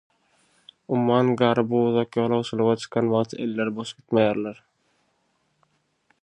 Umman gary bu uzak ýolagçylyga çykan wagty elleri boş gitmeýärler.